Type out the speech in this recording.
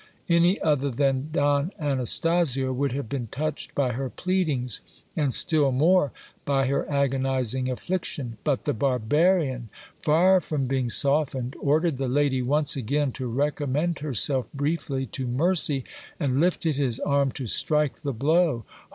Any other than Don Anastasio would have been touched by her pleadings, and still more by her agonizing affliction ; but the barbarian, far from being HISTORY OF DO V ROGER DE RAD A. 293 softened, ordered the lady once again to recommend herself briefly to mercy, and lifted his arm to strike the blow.